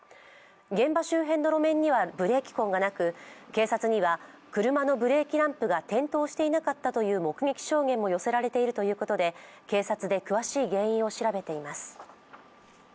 現場周辺の路面には、ブレーキ痕がなく警察には車のブレーキランプが点灯していなかったという目撃証言も寄せられているということで警察で詳しい原因を調べています。